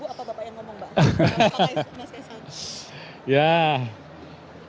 kalau pak kaisang